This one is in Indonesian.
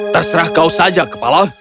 terserah kau saja kepala